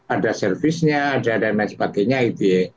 ada servisnya ada dan lain sebagainya gitu ya